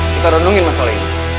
kita renungin masalah ini